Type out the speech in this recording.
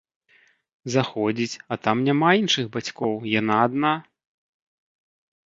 Заходзіць, а там няма іншых бацькоў, яна адна!